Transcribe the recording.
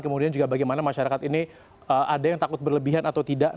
kemudian juga bagaimana masyarakat ini ada yang takut berlebihan atau tidak